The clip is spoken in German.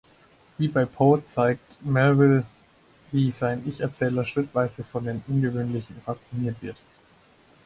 Wie bei Poe zeigt Melville, wie sein Ich-Erzähler schrittweise von dem Ungewöhnlichen fasziniert wird.